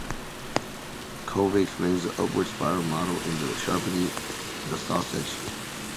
Covey explains the "Upward Spiral" model in the sharpening the saw section.